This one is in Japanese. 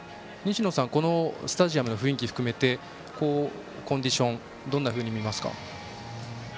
このスタジアムの雰囲気含めて、コンディションをどんなふうに見ますか？